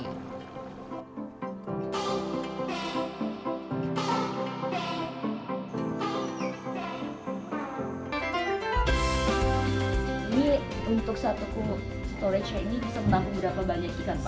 ini untuk satu storage ini bisa menangkan berapa banyak ikan pak